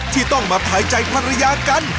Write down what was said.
ที่ต้องมาทายใจภรรยากัน